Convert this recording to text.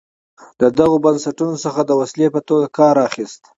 له دغو بنسټونو څخه د وسیلې په توګه کار اخیست.